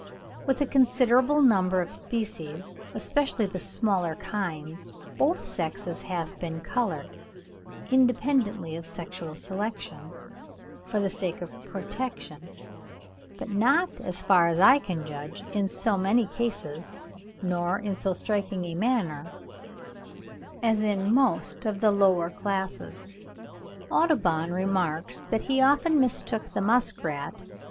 With a considerable number of species, especially of the smaller kinds, both sexes have been coloured, independently of sexual selection, for the sake of protection; but not, as far as I can judge, in so many cases, nor in so striking a manner, as in most of the lower classes. Audubon remarks that he often mistook the musk rat (35.